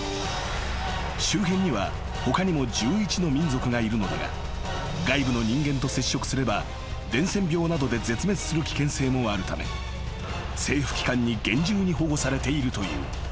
［周辺には他にも１１の民族がいるのだが外部の人間と接触すれば伝染病などで絶滅する危険性もあるため政府機関に厳重に保護されているという］